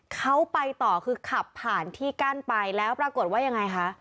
เขาไปต่อคือขับผ่านที่กั้นไปแล้วปรากฏว่ายังไงคะ